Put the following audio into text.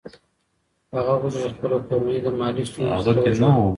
هغه غوښتل چې خپله کورنۍ له مالي ستونزو څخه وژغوري.